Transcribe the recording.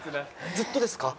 ずっとですか？